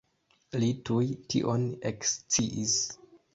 Li tuj tion eksciis.